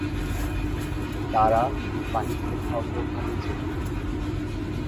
তারা বাহিনীর অগ্রভাগে ছিলেন।